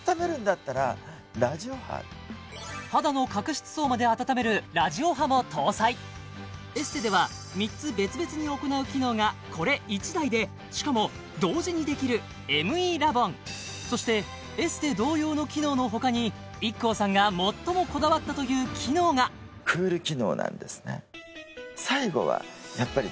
肌の角質層まで温めるラジオ波も搭載エステでは３つ別々に行う機能がこれ１台でしかも同時にできるＭＥラボンそしてエステ同様の機能のほかにＩＫＫＯさんが最もこだわったという機能が当てちゃうえっ？